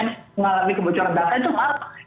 ngalami kebocoran data itu apa